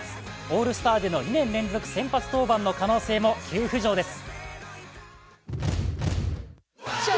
オールスターでの２年連続先発登板の可能性も急浮上です。